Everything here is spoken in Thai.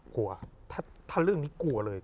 กลัวถ้าเรื่องนี้กลัวเลย